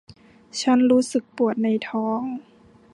ฉันรู้สึกปวดในท้อง